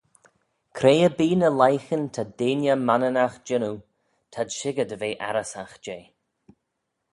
Cre erbee ny leighyn ta dheiney Mananagh jannoo t'ad shicker dy ve arrysagh jeh.